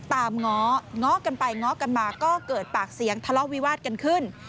ง้อง้อกันไปง้อกันมาก็เกิดปากเสียงทะเลาะวิวาสกันขึ้น